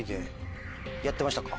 やってましたか？